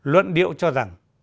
luận điệu cho rằng